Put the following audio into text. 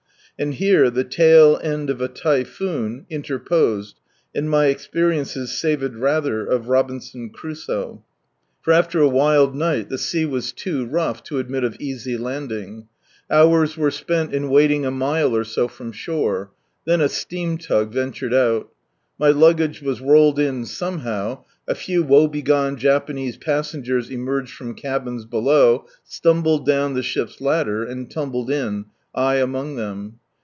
And here "the tall end of a typhoon" interposed, and ray experiences savoured rather of Robioson Crusoe. For after a wild night, the sea was too rough to admit of easy landing. Hours were spent in waiting a mile or so from shore. Then a steam tug ventured out. My luggage was rolled in somehow, a few woe begone Japanese passengers emerged from cabins below, stumbled down the ship's ladder, and tumbled in, I among them.